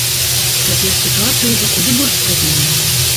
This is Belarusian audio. Цяпер сітуацыя ўжо куды больш стабільная.